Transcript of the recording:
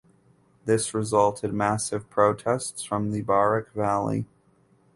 This resulted massive protests from the Barak Valley.